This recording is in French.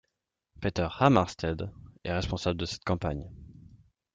Peter Hammarstedt est responsable de cette campagne.